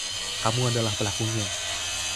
Kamu adalah pelakunya.